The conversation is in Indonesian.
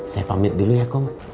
saya pamit dulu ya kok